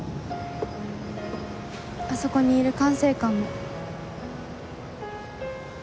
あそこにいる管制官も。